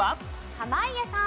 濱家さん。